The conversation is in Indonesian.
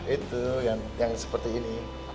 itu yang seperti ini